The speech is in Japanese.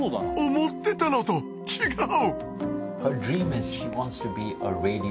思ってたのと違う！